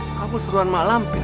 kamu suruhan mak lampir